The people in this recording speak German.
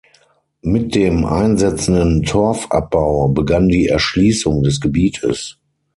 Mit dem einsetzenden Torfabbau begann die Erschließung des Gebietes.